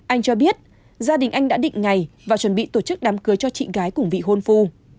anh cho biết gia đình anh đã định ngày và chuẩn bị tổ chức đám cưới cho chị gái cũng bị hôn phu